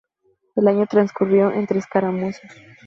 El año transcurrió entre escaramuzas.